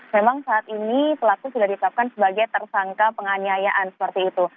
memang saat ini pelaku sudah ditetapkan sebagai tersangka penganiayaan seperti itu